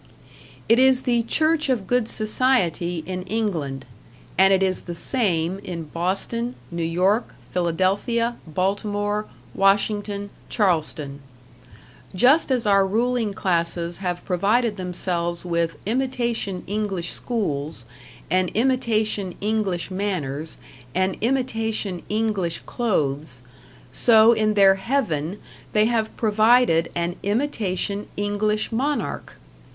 It is the Church of Good Society in England, and it is the same in Boston, New York, Philadelphia, Baltimore, Washington, Charleston. Just as our ruling classes have provided themselves with imitation English schools and imitation English manners and imitation English clothes so in their Heaven they have provided an imitation English monarch.